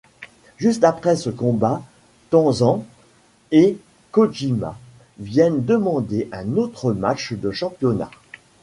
Juste après ce combat, Tenzan et Kojima viennent demander un autre match de championnat.